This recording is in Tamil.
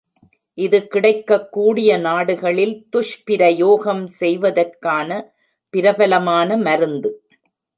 இது கிடைக்கக்கூடிய நாடுகளில் துஷ்பிரயோகம் செய்வதற்கான பிரபலமான மருந்து.